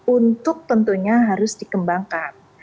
untuk tentunya harus dikembangkan